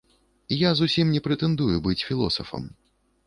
Я зусім не прэтэндую быць філосафам.